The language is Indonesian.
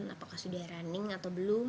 apakah sudah running atau belum